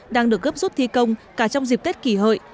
đang được gấp rút thi công cả trong dịp tết kỷ hợi